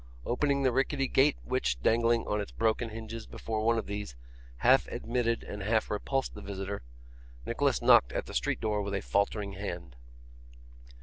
Opening the rickety gate which, dangling on its broken hinges before one of these, half admitted and half repulsed the visitor, Nicholas knocked at the street door with a faltering hand.